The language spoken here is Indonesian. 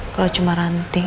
kalau cuma ranting